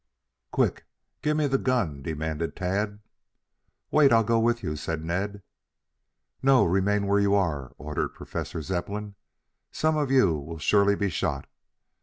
"Quick, give me the gun," demanded Tad. "Wait, I'll go with you," said Ned. "No, remain where you are," ordered Professor Zepplin. "Some of you will surely be shot.